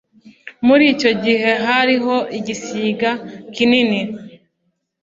muri icyo gihe hariho igisiga kinini